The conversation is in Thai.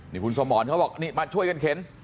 นี่คุณสมรเขาบอกนี่มาช่วยกันเข็น